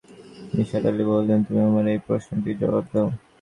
নিসার আলি বললেন, তুমি আমার এই প্রশ্নটির জবাব দাও।